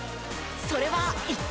それは一体？